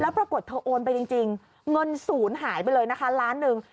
ปรากฏเธอโอนไปจริงเงินศูนย์หายไปเลยนะคะล้านหนึ่ง